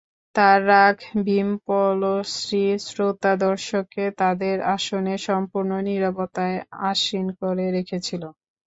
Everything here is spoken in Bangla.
তার রাগ ভীমপলশ্রী শ্রোতা-দর্শককে তাদের আসনে সম্পূর্ণ নীরবতায় আসীন করে রেখেছিল।